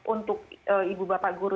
untuk ibu bapak guru